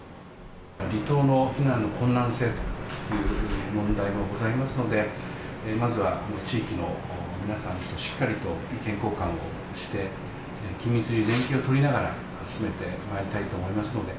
離島の避難の困難性という問題がございますので、まずは地域の皆さんとしっかりと意見交換をして、緊密に連携を取りながら進めてまいりたいと思いますので。